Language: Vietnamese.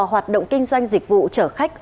hoạt động kinh doanh dịch vụ trở khách